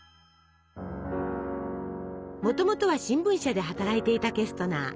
もともとは新聞社で働いていたケストナー。